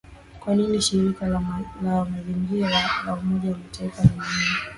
Kwa nini Shirika la Mazingira la Umoja wa Mataifa ni muhimu